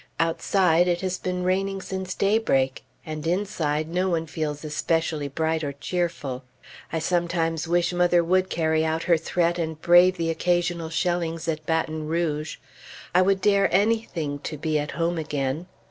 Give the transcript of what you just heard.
Outside, it has been raining since daybreak, and inside, no one feels especially bright or cheerful. I sometimes wish mother would carry out her threat and brave the occasional shellings at Baton Rouge. I would dare anything, to be at home again.